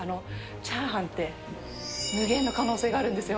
チャーハンって無限の可能性があるんですよ。